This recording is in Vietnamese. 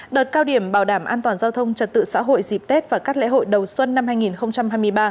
đợt cao điểm bảo đảm an toàn giao thông trật tự xã hội dịp tết và các lễ hội đầu xuân năm hai nghìn hai mươi ba